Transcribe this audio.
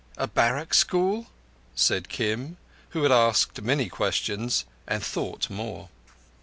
"A barrack school?" said Kim, who had asked many questions and thought more.